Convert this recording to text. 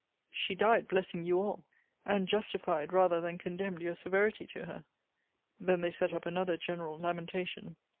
She died blessing you all; and justified rather than condemned your severity to her. Then they set up another general lamentation.